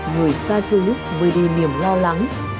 người xa xứ với đề niềm lo lắng